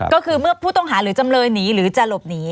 ก็คือเมื่อผู้ต้องหาหรือจำเลยหนีหรือจะหลบหนี